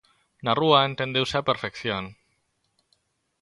Na rúa entendeuse á perfección.